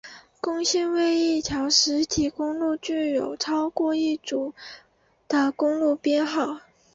共线为一条实体公路具有超过一组的公路编号。